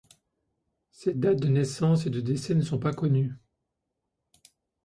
Ses dates de naissance et de décès ne sont pas connus.